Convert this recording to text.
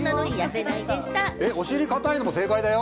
お尻かたいのも正解だよ。